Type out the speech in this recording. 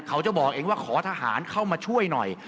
เขาจะบอกเองว่าขอทหารเข้ามาช่วยหน่อย